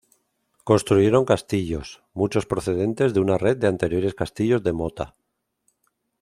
Construyeron castillos, muchos procedentes de una red de anteriores castillos de mota.